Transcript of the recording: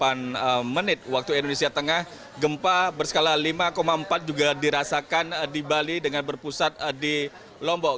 ya dania dan alfian sekitar pukul delapan dua puluh delapan menit waktu indonesia tengah gempa berskala lima empat juga dirasakan di bali dengan berpusat di lombok